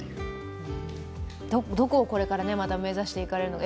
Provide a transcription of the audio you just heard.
どこをこれから目指していかれるのか。